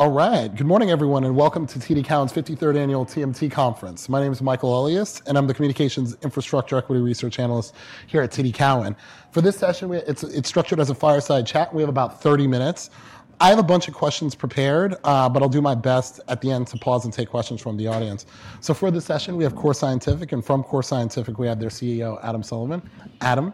All right. Good morning, everyone, and welcome to TD Cowen's 53rd Annual TMT Conference. My name is Michael Elias, and I'm the Communications Infrastructure Equity Research Analyst here at TD Cowen. For this session, it's structured as a fireside chat. We have about 30 minutes. I have a bunch of questions prepared, but I'll do my best at the end to pause and take questions from the audience. For this session, we have Core Scientific, and from Core Scientific, we have their CEO, Adam Sullivan. Adam,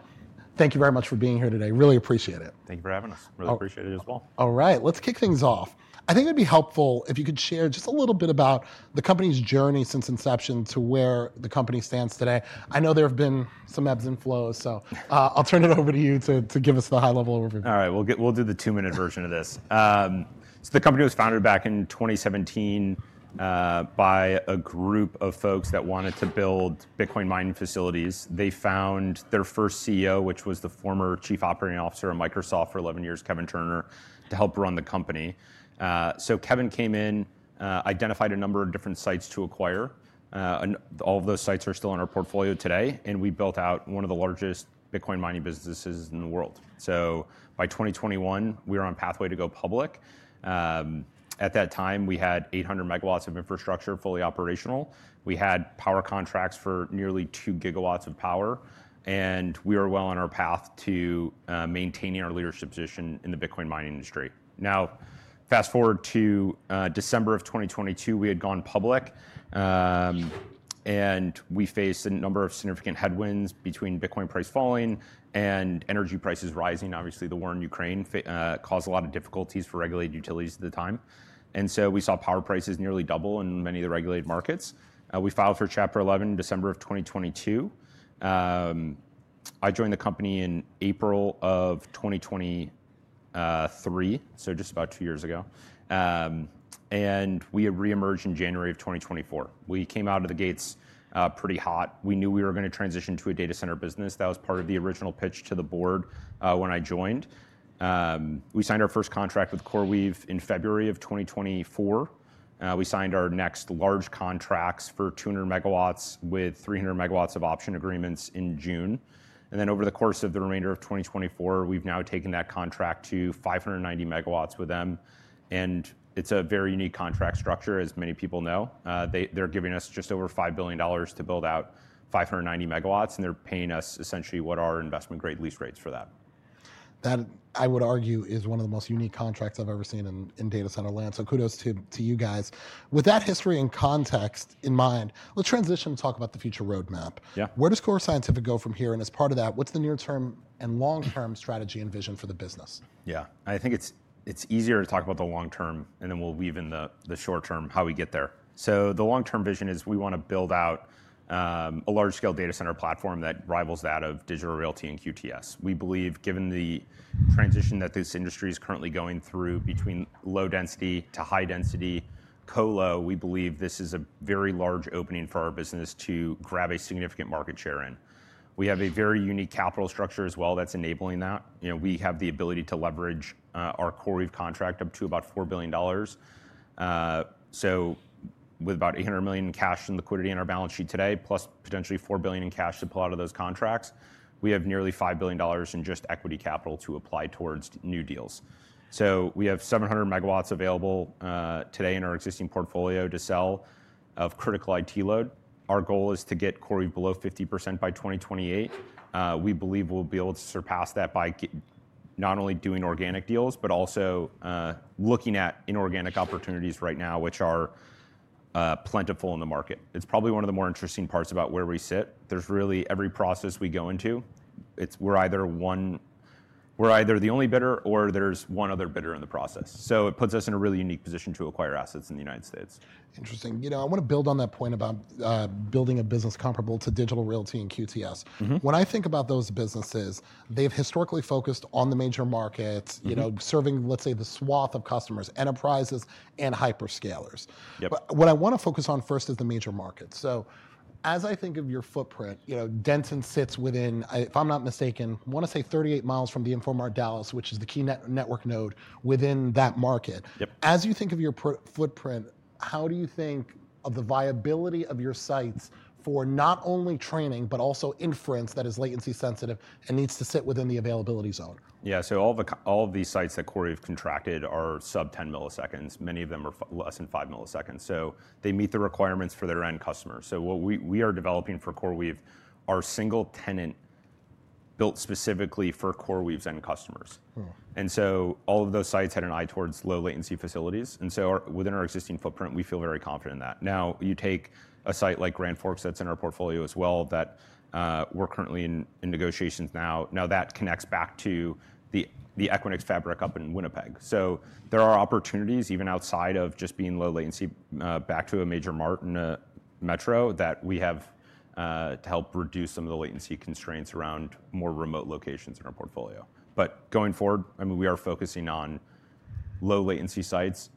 thank you very much for being here today. Really appreciate it. Thank you for having us. Really appreciate it as well. All right. Let's kick things off. I think it'd be helpful if you could share just a little bit about the company's journey since inception to where the company stands today. I know there have been some ebbs and flows, so I'll turn it over to you to give us the high-level overview. All right. We'll do the two-minute version of this. The company was founded back in 2017 by a group of folks that wanted to build Bitcoin mining facilities. They found their first CEO, which was the former Chief Operating Officer of Microsoft for 11 years, Kevin Turner, to help run the company. Kevin came in, identified a number of different sites to acquire. All of those sites are still in our portfolio today, and we built out one of the largest Bitcoin mining businesses in the world. By 2021, we were on a pathway to go public. At that time, we had 800 megawatts of infrastructure fully operational. We had power contracts for nearly 2 GW of power, and we were well on our path to maintaining our leadership position in the Bitcoin mining industry. Now, fast forward to December of 2022, we had gone public, and we faced a number of significant headwinds between Bitcoin price falling and energy prices rising. Obviously, the war in Ukraine caused a lot of difficulties for regulated utilities at the time. We saw power prices nearly double in many of the regulated markets. We filed for Chapter 11 in December of 2022. I joined the company in April of 2023, so just about two years ago, and we had reemerged in January of 2024. We came out of the gates pretty hot. We knew we were going to transition to a data center business. That was part of the original pitch to the board when I joined. We signed our first contract with CoreWeave in February of 2024. We signed our next large contracts for 200 megawatts with 300 megawatts of option agreements in June. Over the course of the remainder of 2024, we've now taken that contract to 590 MW with them. It is a very unique contract structure, as many people know. They're giving us just over $5 billion to build out 590 MW, and they're paying us essentially what our investment-grade lease rates are for that. That I would argue is one of the most unique contracts I've ever seen in data center land. Kudos to you guys. With that history and context in mind, let's transition and talk about the future roadmap. Where does Core Scientific go from here? As part of that, what's the near-term and long-term strategy and vision for the business? Yeah. I think it's easier to talk about the long-term, and then we'll weave in the short-term, how we get there. The long-term vision is we want to build out a large-scale data center platform that rivals that of Digital Realty and QTS. We believe, given the transition that this industry is currently going through between low density to high density, co-lo, we believe this is a very large opening for our business to grab a significant market share in. We have a very unique capital structure as well that's enabling that. We have the ability to leverage our CoreWeave contract up to about $4 billion. With about $800 million in cash and liquidity in our balance sheet today, plus potentially $4 billion in cash to pull out of those contracts, we have nearly $5 billion in just equity capital to apply towards new deals. We have 700 megawatts available today in our existing portfolio to sell of critical IT load. Our goal is to get CoreWeave below 50% by 2028. We believe we'll be able to surpass that by not only doing organic deals, but also looking at inorganic opportunities right now, which are plentiful in the market. It's probably one of the more interesting parts about where we sit. There's really every process we go into, we're either the only bidder, or there's one other bidder in the process. It puts us in a really unique position to acquire assets in the United States. Interesting. You know, I want to build on that point about building a business comparable to Digital Realty and QTS. When I think about those businesses, they've historically focused on the major markets, serving, let's say, the swath of customers, enterprises and hyperscalers. What I want to focus on first is the major markets. As I think of your footprint, Denton sits within, if I'm not mistaken, I want to say 38 mi from the Infomart Dallas, which is the key network node within that market. As you think of your footprint, how do you think of the viability of your sites for not only training, but also inference that is latency sensitive and needs to sit within the availability zone? Yeah. All of these sites that CoreWeave contracted are sub 10 milliseconds. Many of them are less than 5 milliseconds. They meet the requirements for their end customers. What we are developing for CoreWeave are single-tenant, built specifically for CoreWeave's end customers. All of those sites had an eye towards low-latency facilities. Within our existing footprint, we feel very confident in that. You take a site like Grand Forks that's in our portfolio as well that we're currently in negotiations now. That connects back to the Equinix fabric up in Winnipeg. There are opportunities even outside of just being low-latency back to a major mart in a metro that we have to help reduce some of the latency constraints around more remote locations in our portfolio. Going forward, I mean, we are focusing on low-latency sites.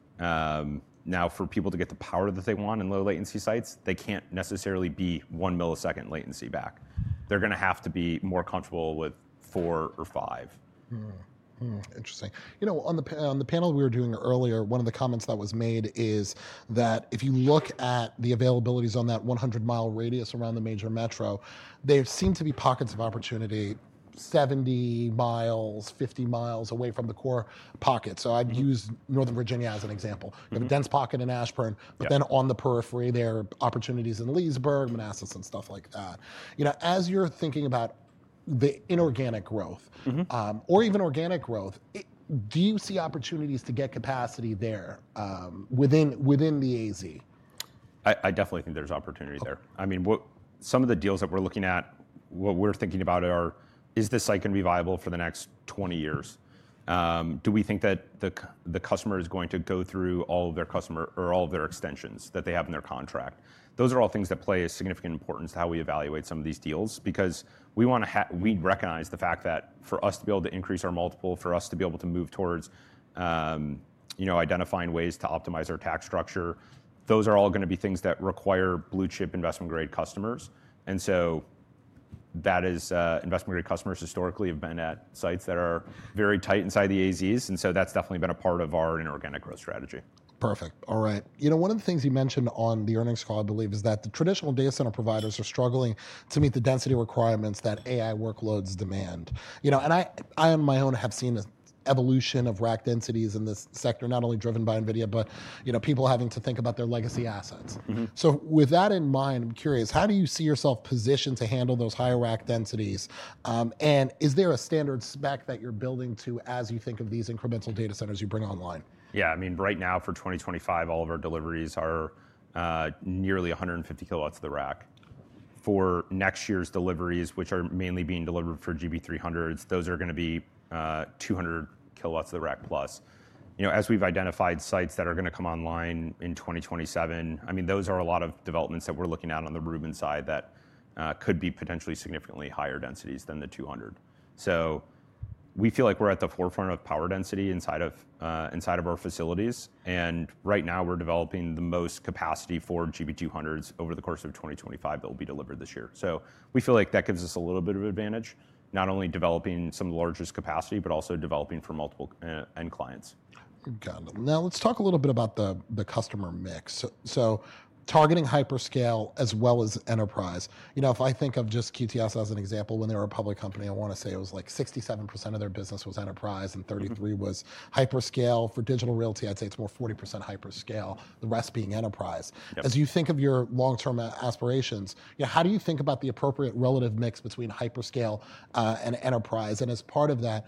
Now, for people to get the power that they want in low-latency sites, they can't necessarily be 1 millisecond latency back. They're going to have to be more comfortable with 4 or 5. Interesting. You know, on the panel we were doing earlier, one of the comments that was made is that if you look at the availabilities on that 100 mi radius around the major metro, there seem to be pockets of opportunity 70 mi, 50 mi away from the core pocket. So I'd use Northern Virginia as an example. You have a dense pocket in Ashburn, but then on the periphery, there are opportunities in Leesburg, Manassas, and stuff like that. As you're thinking about the inorganic growth or even organic growth, do you see opportunities to get capacity there within the AZ? I definitely think there's opportunity there. I mean, some of the deals that we're looking at, what we're thinking about are, is this site going to be viable for the next 20 years? Do we think that the customer is going to go through all of their customer or all of their extensions that they have in their contract? Those are all things that play a significant importance to how we evaluate some of these deals because we recognize the fact that for us to be able to increase our multiple, for us to be able to move towards identifying ways to optimize our tax structure, those are all going to be things that require blue-chip investment-grade customers. That is, investment-grade customers historically have been at sites that are very tight inside the AZs. That has definitely been a part of our inorganic growth strategy. Perfect. All right. You know, one of the things you mentioned on the earnings call, I believe, is that the traditional data center providers are struggling to meet the density requirements that AI workloads demand. And I, on my own, have seen an evolution of rack densities in this sector, not only driven by NVIDIA, but people having to think about their legacy assets. So with that in mind, I'm curious, how do you see yourself positioned to handle those higher rack densities? And is there a standard spec that you're building to as you think of these incremental data centers you bring online? Yeah. I mean, right now for 2025, all of our deliveries are nearly 150 kilowatts of the rack. For next year's deliveries, which are mainly being delivered for GB300s, those are going to be 200 kW of the rack plus. As we've identified sites that are going to come online in 2027, I mean, those are a lot of developments that we're looking at on the Rubin side that could be potentially significantly higher densities than the 200. We feel like we're at the forefront of power density inside of our facilities. Right now, we're developing the most capacity for GB200s over the course of 2025 that will be delivered this year. We feel like that gives us a little bit of advantage, not only developing some of the largest capacity, but also developing for multiple end clients. Got it. Now, let's talk a little bit about the customer mix. So targeting hyperscale as well as enterprise. You know, if I think of just QTS as an example, when they were a public company, I want to say it was like 67% of their business was enterprise and 33% was hyperscale. For Digital Realty, I'd say it's more 40% hyperscale, the rest being enterprise. As you think of your long-term aspirations, how do you think about the appropriate relative mix between hyperscale and enterprise? And as part of that,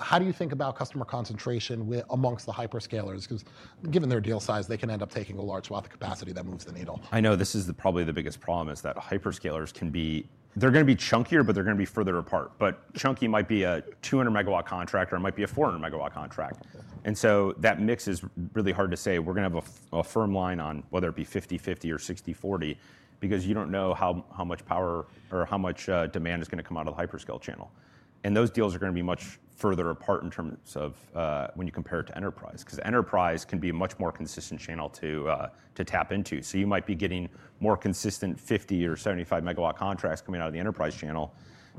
how do you think about customer concentration amongst the hyperscalers? Because given their deal size, they can end up taking a large swath of capacity that moves the needle. I know this is probably the biggest problem is that hyperscalers can be, they're going to be chunkier, but they're going to be further apart. Chunky might be a 200 MW contract or it might be a 400-megawatt contract. That mix is really hard to say. We're going to have a firm line on whether it be 50/50 or 60-40 because you don't know how much power or how much demand is going to come out of the hyperscale channel. Those deals are going to be much further apart in terms of when you compare it to enterprise because enterprise can be a much more consistent channel to tap into. You might be getting more consistent 50 MW or 75 MW contracts coming out of the enterprise channel,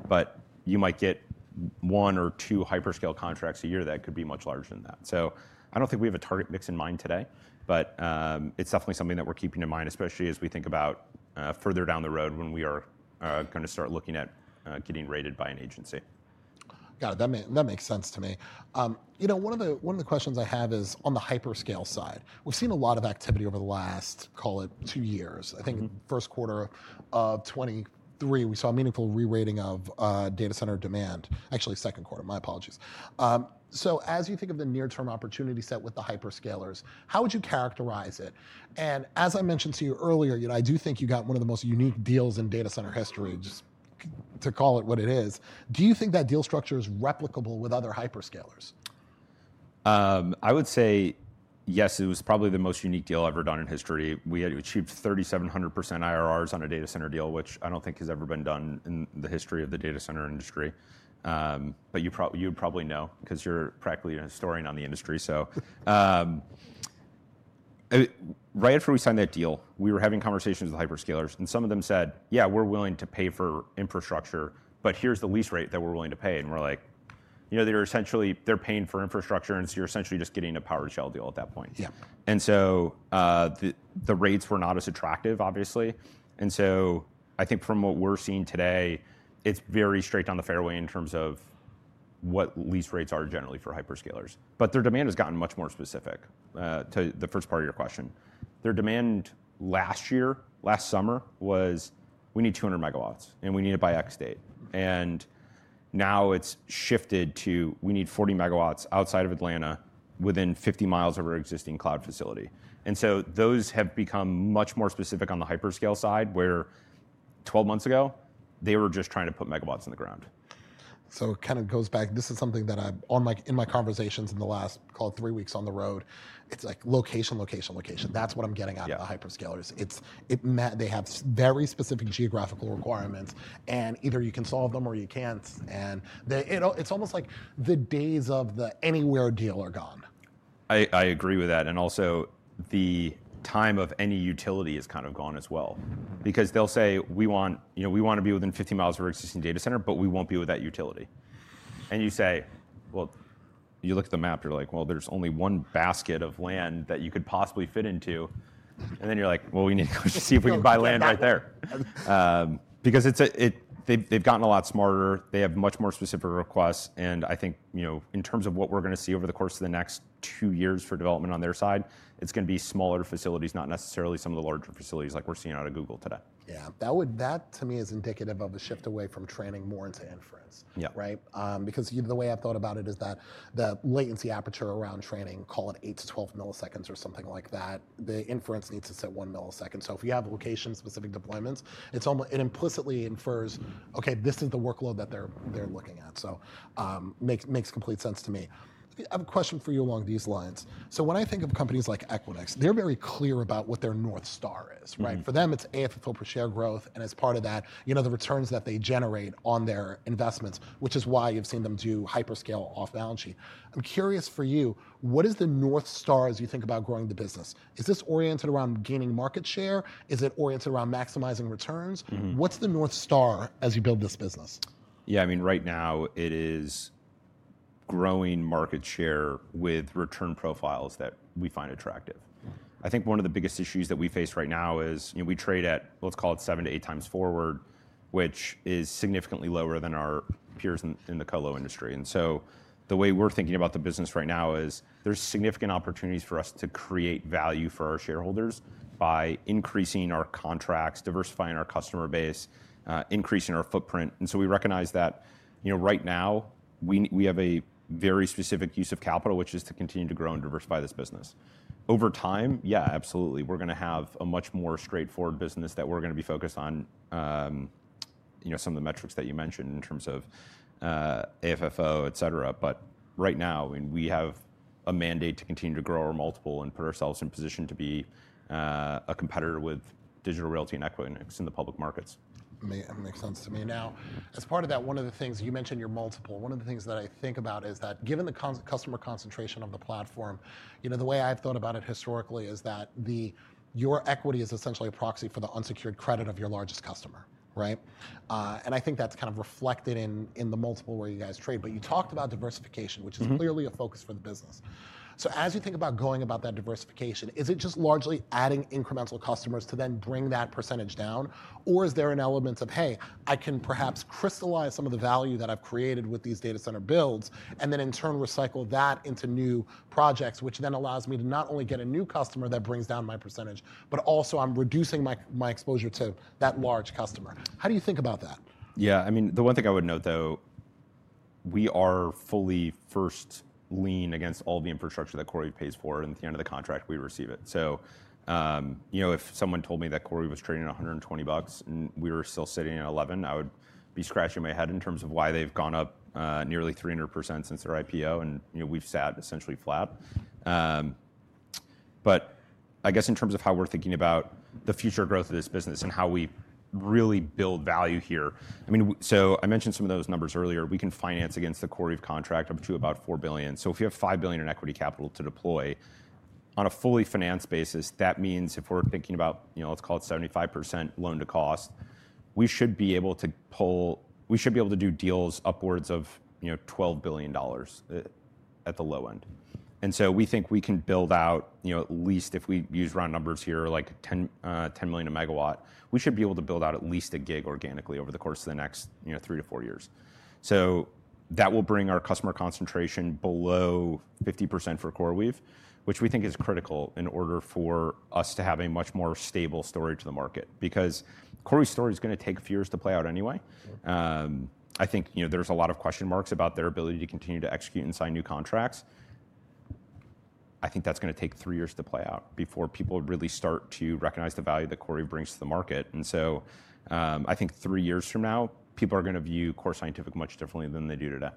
but you might get one or two hyperscale contracts a year that could be much larger than that. I don't think we have a target mix in mind today, but it's definitely something that we're keeping in mind, especially as we think about further down the road when we are going to start looking at getting rated by an agency. Got it. That makes sense to me. You know, one of the questions I have is on the hyperscale side. We've seen a lot of activity over the last, call it, two years. I think first quarter of 2023, we saw a meaningful re-rating of data center demand. Actually, second quarter, my apologies. As you think of the near-term opportunity set with the hyperscalers, how would you characterize it? As I mentioned to you earlier, I do think you got one of the most unique deals in data center history, just to call it what it is. Do you think that deal structure is replicable with other hyperscalers? I would say yes, it was probably the most unique deal ever done in history. We had achieved 3,700% IRRs on a data center deal, which I don't think has ever been done in the history of the data center industry. You would probably know because you're practically a historian on the industry. Right after we signed that deal, we were having conversations with hyperscalers, and some of them said, "Yeah, we're willing to pay for infrastructure, but here's the lease rate that we're willing to pay." We're like, "You know, they're essentially, they're paying for infrastructure, and so you're essentially just getting a PowerShell deal at that point." The rates were not as attractive, obviously. I think from what we're seeing today, it's very straight down the fairway in terms of what lease rates are generally for hyperscalers. Their demand has gotten much more specific to the first part of your question. Their demand last year, last summer, was, "We need 200 megawatts, and we need it by X date." Now it has shifted to, "We need 40 MW outside of Atlanta, within 50 mi of our existing cloud facility." Those have become much more specific on the hyperscale side, where 12 months ago, they were just trying to put megawatts in the ground. It kind of goes back. This is something that I've, in my conversations in the last, call it, three weeks on the road, it's like location, location, location. That's what I'm getting out of the hyperscalers. They have very specific geographical requirements, and either you can solve them or you can't. It's almost like the days of the anywhere deal are gone. I agree with that. Also, the time of any utility is kind of gone as well because they'll say, "We want to be within 50 mi of our existing data center, but we won't be with that utility." You say, "You look at the map, you're like, 'There's only one basket of land that you could possibly fit into.'" Then you're like, "We need to go see if we can buy land right there." They've gotten a lot smarter. They have much more specific requests. I think in terms of what we're going to see over the course of the next two years for development on their side, it's going to be smaller facilities, not necessarily some of the larger facilities like we're seeing out of Google today. Yeah. That to me is indicative of a shift away from training more into inference, right? Because the way I've thought about it is that the latency aperture around training, call it 8-12 milliseconds or something like that, the inference needs to sit one millisecond. If you have location-specific deployments, it implicitly infers, "Okay, this is the workload that they're looking at." It makes complete sense to me. I have a question for you along these lines. When I think of companies like Equinix, they're very clear about what their North Star is, right? For them, it's AFFO per share growth. As part of that, you know the returns that they generate on their investments, which is why you've seen them do hyperscale off-balance sheet. I'm curious for you, what is the North Star as you think about growing the business? Is this oriented around gaining market share? Is it oriented around maximizing returns? What's the North Star as you build this business? Yeah, I mean, right now, it is growing market share with return profiles that we find attractive. I think one of the biggest issues that we face right now is we trade at, let's call it, seven to eight times forward, which is significantly lower than our peers in the colo industry. The way we're thinking about the business right now is there's significant opportunities for us to create value for our shareholders by increasing our contracts, diversifying our customer base, increasing our footprint. We recognize that right now, we have a very specific use of capital, which is to continue to grow and diversify this business. Over time, yeah, absolutely. We're going to have a much more straightforward business that we're going to be focused on some of the metrics that you mentioned in terms of AFFO, et cetera. Right now, we have a mandate to continue to grow our multiple and put ourselves in position to be a competitor with Digital Realty and Equinix in the public markets. Makes sense to me. Now, as part of that, one of the things you mentioned, your multiple, one of the things that I think about is that given the customer concentration of the platform, the way I've thought about it historically is that your equity is essentially a proxy for the unsecured credit of your largest customer, right? I think that's kind of reflected in the multiple where you guys trade. You talked about diversification, which is clearly a focus for the business. As you think about going about that diversification, is it just largely adding incremental customers to then bring that percentage down? Is there an element of, "Hey, I can perhaps crystallize some of the value that I've created with these data center builds and then in turn recycle that into new projects, which then allows me to not only get a new customer that brings down my percentage, but also I'm reducing my exposure to that large customer"? How do you think about that? Yeah, I mean, the one thing I would note, though, we are fully first lien against all the infrastructure that Core pays for. And at the end of the contract, we receive it. If someone told me that Core was trading at $120 and we were still sitting at $11, I would be scratching my head in terms of why they've gone up nearly 300% since their IPO, and we've sat essentially flat. I guess in terms of how we're thinking about the future growth of this business and how we really build value here, I mean, I mentioned some of those numbers earlier. We can finance against the Core contract up to about $4 billion. If you have $5 billion in equity capital to deploy on a fully financed basis, that means if we're thinking about, let's call it 75% loan to cost, we should be able to do deals upwards of $12 billion at the low end. We think we can build out, at least if we use round numbers here, like $10 million a megawatt, we should be able to build out at least a gig organically over the course of the next three to four years. That will bring our customer concentration below 50% for CoreWeave, which we think is critical in order for us to have a much more stable story to the market because CoreWeave's story is going to take a few years to play out anyway. I think there's a lot of question marks about their ability to continue to execute and sign new contracts. I think that's going to take three years to play out before people really start to recognize the value that Core Scientific brings to the market. I think three years from now, people are going to view Core Scientific much differently than they do today.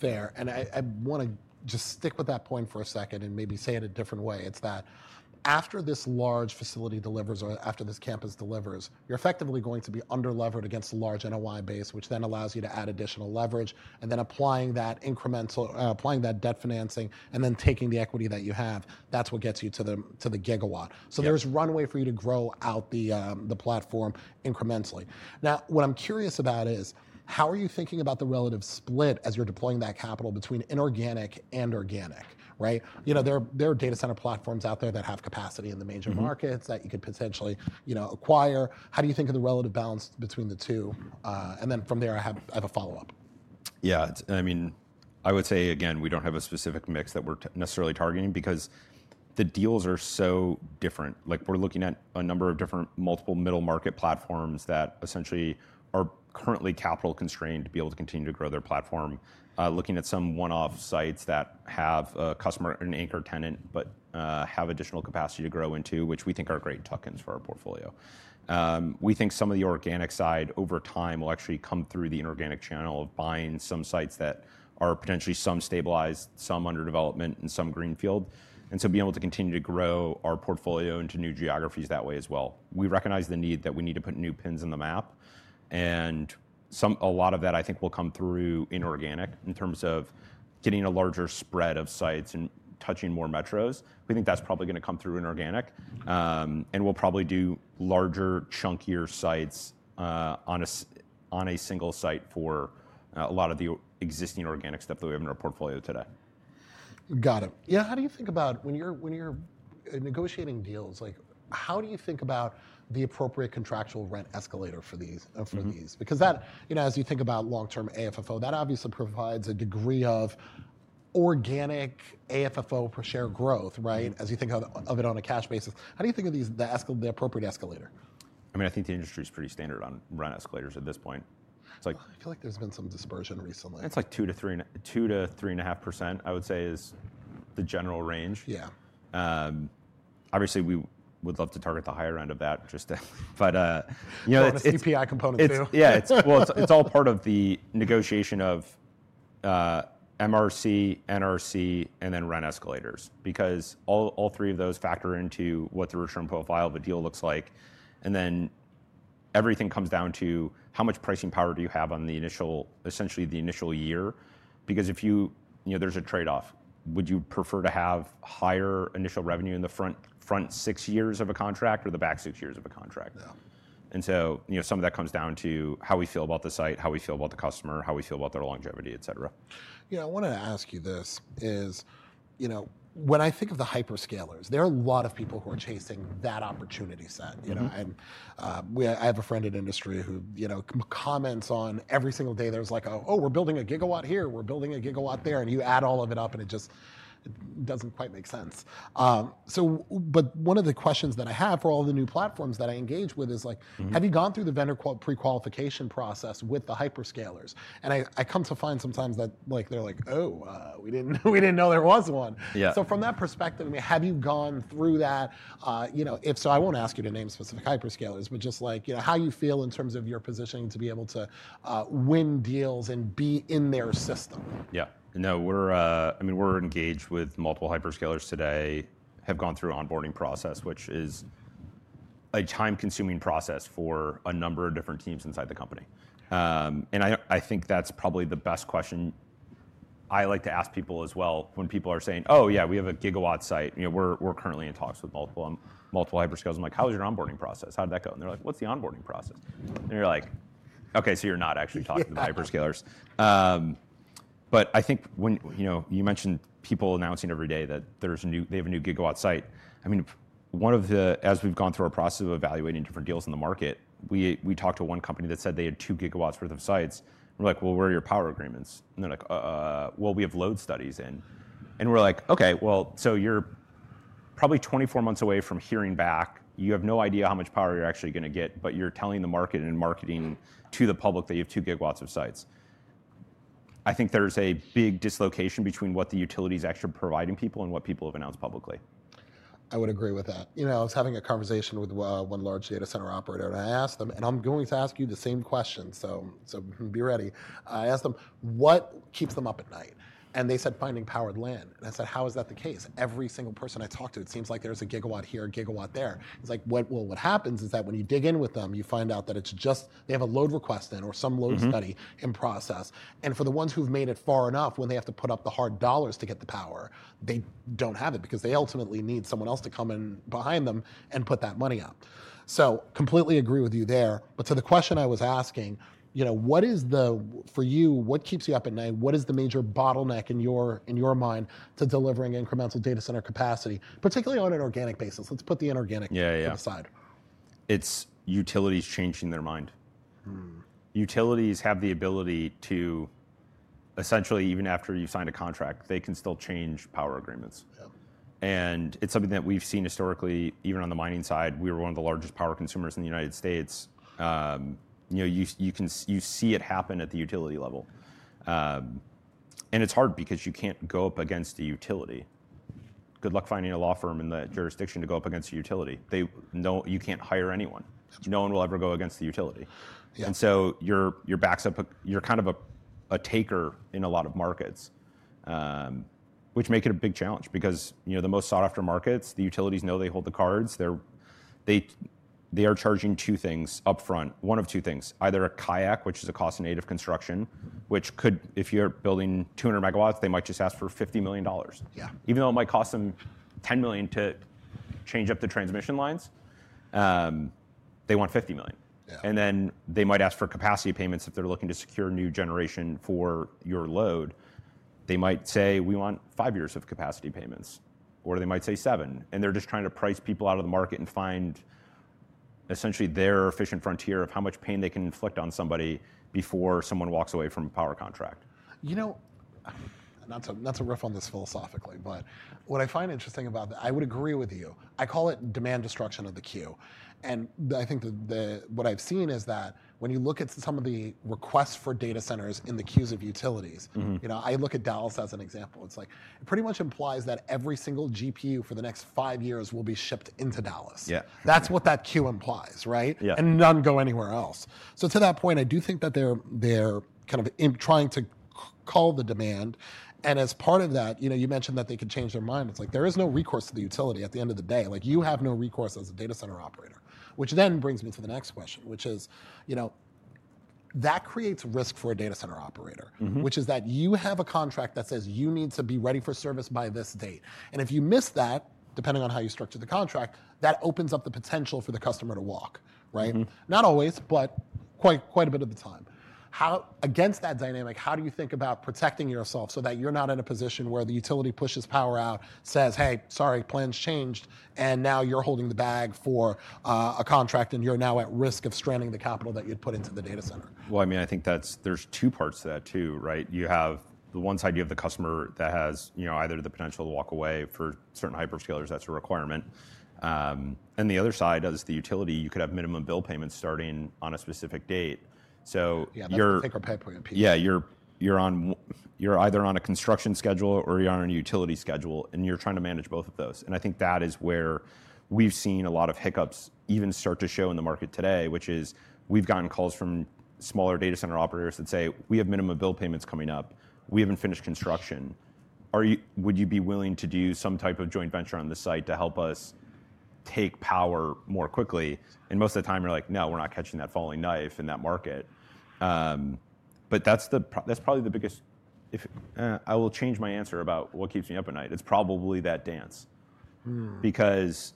Fair. I want to just stick with that point for a second and maybe say it a different way. It's that after this large facility delivers or after this campus delivers, you're effectively going to be underlevered against a large NOI base, which then allows you to add additional leverage and then applying that incremental, applying that debt financing and then taking the equity that you have, that's what gets you to the gigawatt. There is runway for you to grow out the platform incrementally. Now, what I'm curious about is how are you thinking about the relative split as you're deploying that capital between inorganic and organic, right? There are data center platforms out there that have capacity in the major markets that you could potentially acquire. How do you think of the relative balance between the two? From there, I have a follow-up. Yeah, I mean, I would say, again, we do not have a specific mix that we are necessarily targeting because the deals are so different. We are looking at a number of different multiple middle market platforms that essentially are currently capital constrained to be able to continue to grow their platform, looking at some one-off sites that have a customer, an anchor tenant, but have additional capacity to grow into, which we think are great tuck-ins for our portfolio. We think some of the organic side over time will actually come through the inorganic channel of buying some sites that are potentially some stabilized, some under development, and some greenfield. Being able to continue to grow our portfolio into new geographies that way as well. We recognize the need that we need to put new pins in the map. A lot of that, I think, will come through inorganic in terms of getting a larger spread of sites and touching more metros. We think that's probably going to come through inorganic. We'll probably do larger, chunkier sites on a single site for a lot of the existing organic stuff that we have in our portfolio today. Got it. Yeah. How do you think about when you're negotiating deals, how do you think about the appropriate contractual rent escalator for these? Because as you think about long-term AFFO, that obviously provides a degree of organic AFFO per share growth, right? As you think of it on a cash basis, how do you think of the appropriate escalator? I mean, I think the industry is pretty standard on rent escalators at this point. I feel like there's been some dispersion recently. It's like 2%-3.5%, I would say, is the general range. Yeah. Obviously, we would love to target the higher end of that, just. You know, the CPI component too. Yeah, it's all part of the negotiation of MRC, NRC, and then rent escalators because all three of those factor into what the return profile of a deal looks like. Everything comes down to how much pricing power do you have on essentially the initial year? If you know there's a trade-off, would you prefer to have higher initial revenue in the front six years of a contract or the back six years of a contract? Some of that comes down to how we feel about the site, how we feel about the customer, how we feel about their longevity, et cetera. You know, I wanted to ask you this is, when I think of the hyperscalers, there are a lot of people who are chasing that opportunity set. I have a friend in industry who comments on every single day there's like, "Oh, we're building a gigawatt here. We're building a gigawatt there." You add all of it up, and it just doesn't quite make sense. One of the questions that I have for all the new platforms that I engage with is like, have you gone through the vendor pre-qualification process with the hyperscalers? I come to find sometimes that they're like, "Oh, we didn't know there was one." From that perspective, have you gone through that? If so, I won't ask you to name specific hyperscalers, but just like how you feel in terms of your positioning to be able to win deals and be in their system. Yeah. No, I mean, we're engaged with multiple hyperscalers today, have gone through onboarding process, which is a time-consuming process for a number of different teams inside the company. I think that's probably the best question I like to ask people as well when people are saying, "Oh, yeah, we have a gigawatt site. We're currently in talks with multiple hyperscalers." I'm like, "How was your onboarding process? How did that go?" They're like, "What's the onboarding process?" You're like, "Okay, so you're not actually talking to the hyperscalers." I think you mentioned people announcing every day that they have a new gigawatt site. I mean, as we've gone through our process of evaluating different deals in the market, we talked to one company that said they had two gigawatts worth of sites. We're like, "Where are your power agreements?" They're like, "We have load studies in." We're like, "Okay, you're probably 24 months away from hearing back. You have no idea how much power you're actually going to get, but you're telling the market and marketing to the public that you have 2 GW of sites." I think there's a big dislocation between what the utility is actually providing people and what people have announced publicly. I would agree with that. I was having a conversation with one large data center operator, and I asked them, and I'm going to ask you the same question, so be ready. I asked them, "What keeps them up at night?" They said, "Finding powered land." I said, "How is that the case?" Every single person I talk to, it seems like there's a gigawatt here, a gigawatt there. It's like, what happens is that when you dig in with them, you find out that they have a load request in or some load study in process. For the ones who've made it far enough when they have to put up the hard dollars to get the power, they don't have it because they ultimately need someone else to come in behind them and put that money up. I completely agree with you there. To the question I was asking, for you, what keeps you up at night? What is the major bottleneck in your mind to delivering incremental data center capacity, particularly on an organic basis? Let's put the inorganic aside. It's utilities changing their mind. Utilities have the ability to essentially, even after you've signed a contract, they can still change power agreements. It's something that we've seen historically, even on the mining side. We were one of the largest power consumers in the United States. You see it happen at the utility level. It's hard because you can't go up against the utility. Good luck finding a law firm in the jurisdiction to go up against the utility. You can't hire anyone. No one will ever go against the utility. You're kind of a taker in a lot of markets, which makes it a big challenge because the most sought-after markets, the utilities know they hold the cards. They are charging two things upfront, one of two things, either a CIAC, which is a cost-native construction, which could, if you're building 200 MW, they might just ask for $50 million. Even though it might cost them $10 million to change up the transmission lines, they want $50 million. They might ask for capacity payments if they're looking to secure new generation for your load. They might say, "We want five years of capacity payments," or they might say seven. They are just trying to price people out of the market and find essentially their efficient frontier of how much pain they can inflict on somebody before someone walks away from a power contract. You know, not to rough on this philosophically, but what I find interesting about that, I would agree with you. I call it demand destruction of the queue. And I think what I've seen is that when you look at some of the requests for data centers in the queues of utilities, I look at Dallas as an example. It's like it pretty much implies that every single GPU for the next five years will be shipped into Dallas. That's what that queue implies, right? And none go anywhere else. To that point, I do think that they're kind of trying to call the demand. As part of that, you mentioned that they could change their mind. It's like there is no recourse to the utility at the end of the day. You have no recourse as a data center operator, which then brings me to the next question, which is that creates risk for a data center operator, which is that you have a contract that says you need to be ready for service by this date. If you miss that, depending on how you structure the contract, that opens up the potential for the customer to walk, right? Not always, but quite a bit of the time. Against that dynamic, how do you think about protecting yourself so that you're not in a position where the utility pushes power out, says, "Hey, sorry, plans changed," and now you're holding the bag for a contract and you're now at risk of stranding the capital that you'd put into the data center? I mean, I think there's two parts to that too, right? You have the one side, you have the customer that has either the potential to walk away. For certain hyperscalers, that's a requirement. The other side is the utility. You could have minimum bill payments starting on a specific date. Yeah, that's the take-or-pay point piece. Yeah, you're either on a construction schedule or you're on a utility schedule, and you're trying to manage both of those. I think that is where we've seen a lot of hiccups even start to show in the market today, which is we've gotten calls from smaller data center operators that say, "We have minimum bill payments coming up. We haven't finished construction. Would you be willing to do some type of joint venture on the site to help us take power more quickly?" Most of the time you're like, "No, we're not catching that falling knife in that market." That's probably the biggest—I will change my answer about what keeps me up at night. It's probably that dance. Because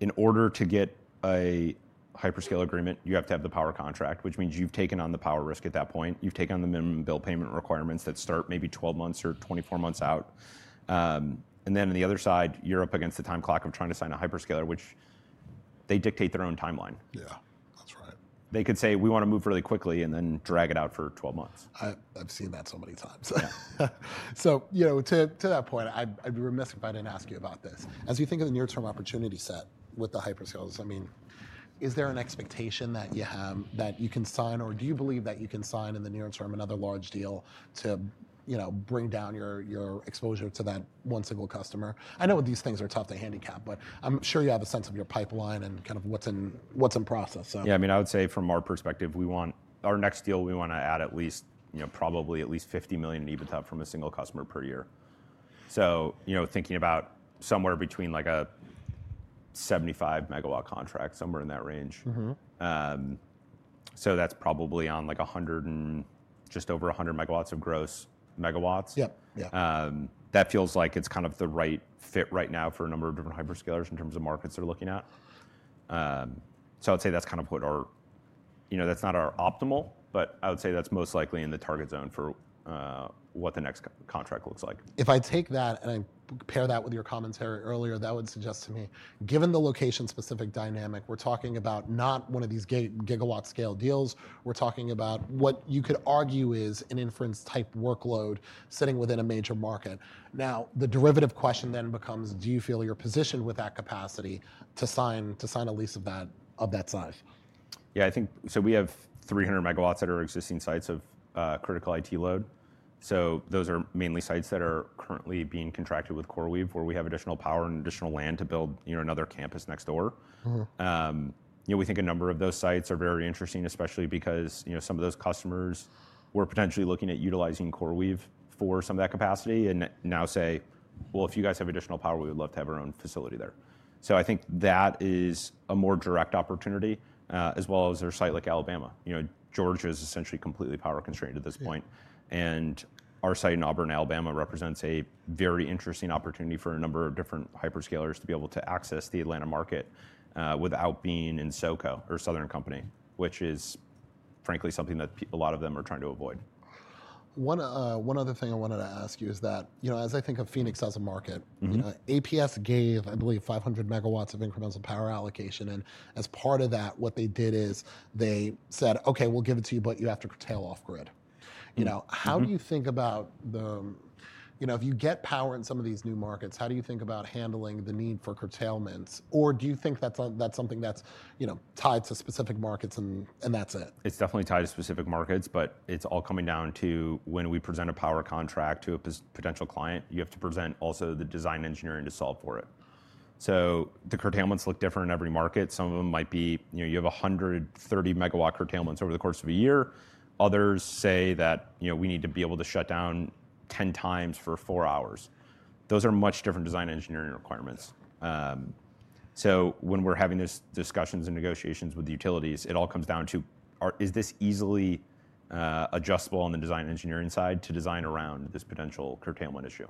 in order to get a hyperscale agreement, you have to have the power contract, which means you've taken on the power risk at that point. You've taken on the minimum bill payment requirements that start maybe 12 months or 24 months out. On the other side, you're up against the time clock of trying to sign a hyperscaler, which they dictate their own timeline. Yeah, that's right. They could say, "We want to move really quickly," and then drag it out for 12 months. I've seen that so many times. To that point, I'd be remiss if I didn't ask you about this. As you think of the near-term opportunity set with the hyperscalers, I mean, is there an expectation that you can sign, or do you believe that you can sign in the near term another large deal to bring down your exposure to that one single customer? I know these things are tough to handicap, but I'm sure you have a sense of your pipeline and kind of what's in process. Yeah, I mean, I would say from our perspective, our next deal, we want to add at least probably at least $50 million in EBITDA from a single customer per year. Thinking about somewhere between like a 75-megawatt contract, somewhere in that range. That's probably on like just over 100 megawatts of gross. Megawatts. That feels like it's kind of the right fit right now for a number of different hyperscalers in terms of markets they're looking at. I'd say that's kind of what our—that's not our optimal, but I would say that's most likely in the target zone for what the next contract looks like. If I take that and I pair that with your commentary earlier, that would suggest to me, given the location-specific dynamic, we're talking about not one of these gigawatt-scale deals. We're talking about what you could argue is an inference-type workload sitting within a major market. Now, the derivative question then becomes, do you feel you're positioned with that capacity to sign a lease of that size? Yeah, I think so. We have 300 megawatts at our existing sites of critical IT load. Those are mainly sites that are currently being contracted with CoreWeave, where we have additional power and additional land to build another campus next door. We think a number of those sites are very interesting, especially because some of those customers were potentially looking at utilizing CoreWeave for some of that capacity and now say, "If you guys have additional power, we would love to have our own facility there." I think that is a more direct opportunity, as well as our site like Alabama. Georgia is essentially completely power constrained at this point. Our site in Auburn, Alabama, represents a very interesting opportunity for a number of different hyperscalers to be able to access the Atlanta market without being in Southern Company, which is frankly something that a lot of them are trying to avoid. One other thing I wanted to ask you is that as I think of Phoenix as a market, APS gave, I believe, 500 megawatts of incremental power allocation. As part of that, what they did is they said, "Okay, we'll give it to you, but you have to curtail off-grid." How do you think about the—if you get power in some of these new markets, how do you think about handling the need for curtailments, or do you think that's something that's tied to specific markets and that's it? It's definitely tied to specific markets, but it's all coming down to when we present a power contract to a potential client, you have to present also the design engineering to solve for it. The curtailments look different in every market. Some of them might be you have 130 megawatt curtailments over the course of a year. Others say that we need to be able to shut down 10 times for four hours. Those are much different design engineering requirements. When we're having these discussions and negotiations with the utilities, it all comes down to, is this easily adjustable on the design engineering side to design around this potential curtailment issue?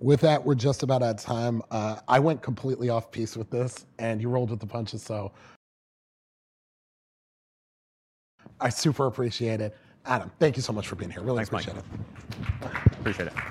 With that, we're just about out of time. I went completely off-piste with this, and you rolled with the punches, so I super appreciate it. Adam, thank you so much for being here. Really appreciate it. Thanks, Mike. Appreciate it.